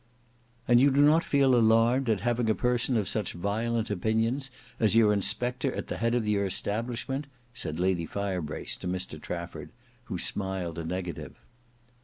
"And you do not feel alarmed at having a person of such violent opinions as your inspector at the head of your establishment," said Lady Firebrace to Mr Trafford, who smiled a negative.